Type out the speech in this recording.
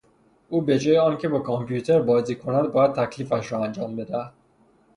او به جای آن که با کامپیوتر بازی کند، باید تکلیفش را انجام بدهد.